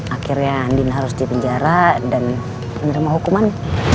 akhirnya andin harus di penjara dan menerima hukuman